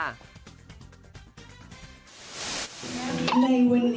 คนที่มา